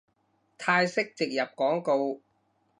泰式植入廣告